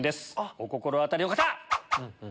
お心当たりの方！